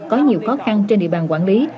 có nhiều khó khăn trên địa bàn quản lý